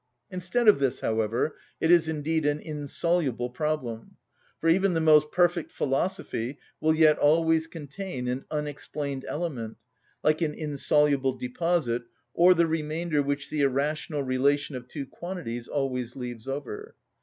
Instead of this, however, it is indeed an insoluble problem; for even the most perfect philosophy will yet always contain an unexplained element, like an insoluble deposit or the remainder which the irrational relation of two quantities always leaves over.